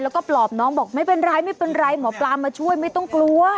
แล้วก็ปลอบน้องบอกไม่เป็นไรไม่เป็นไรหมอปลามาช่วยไม่ต้องกลัว